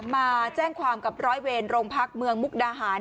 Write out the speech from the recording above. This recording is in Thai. มาแจ้งความกับร้อยเวรโรงพักเมืองมุกดาหาร